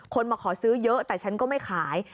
มาขอซื้อเยอะแต่ฉันก็ไม่ขาย